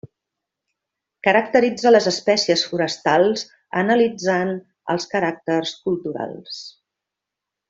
Caracteritza les espècies forestals analitzant els caràcters culturals.